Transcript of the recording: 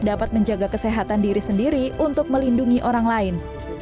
dapat menjaga kesehatan diri sendiri untuk melindungi orang lain